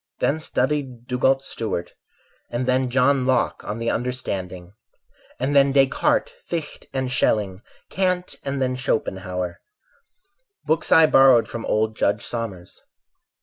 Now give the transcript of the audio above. Then studied Dugald Stewart; And then John Locke on the Understanding, And then Descartes, Fichte and Schelling, Kant and then Schopenhauer— Books I borrowed from old Judge Somers.